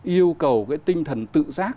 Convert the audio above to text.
yêu cầu cái tinh thần tự giác